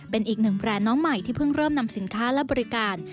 เป็นอีกหนึ่งแบรนด์น้องใหม่ที่เพิ่งเริ่มนำสินค้าและบริการ